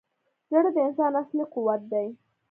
زړه د انسان اصلي قوت دی.